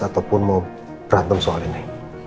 ataupun mau berantem soal ini